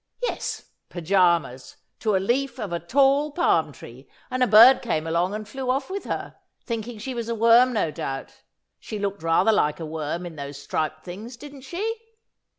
"Yes, pyjamas, to a leaf of a tall palm tree, and a bird came along and flew off with her, thinking she was a worm, no doubt; she looked rather like a worm in those striped things, didn't she?"